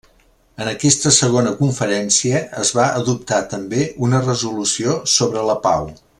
En aquesta segona conferència es va adoptar també una resolució sobre la pau.